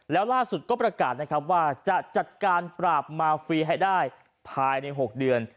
แล้วล่าสุดก็ประกาศนะครับว่าจะจัดการปราบมาฟรีให้ได้ภายใน๖เดือน